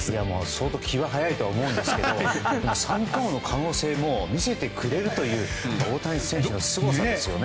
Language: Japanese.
相当気は早いと思いますがでも三冠王の可能性も見せてくれるという大谷選手のすごさですね。